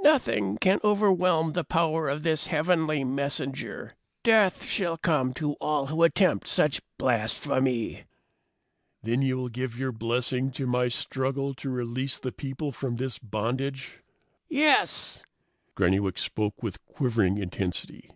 "Nothing can overwhelm the power of this heavenly messenger! Death shall come to all who attempt such blasphemy!" "Then you will give your blessing to my struggle to release the people from this bondage?" "Yes!" Granny Wicks spoke with quivering intensity.